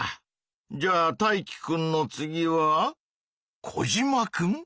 じゃあタイキくんの次はコジマくん？